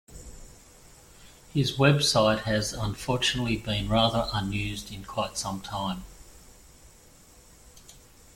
His website has unfortunately been rather unused in quite some time.